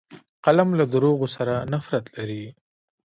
قلم له دروغو سره نفرت لري